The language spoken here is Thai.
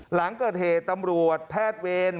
หลังเกิดเหตุตำรวจแพทย์เวร